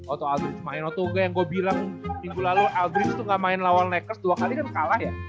oto aldrich main oto uga yang gue bilang minggu lalu aldrich tuh gak main lawan lakers dua kali kan kalah ya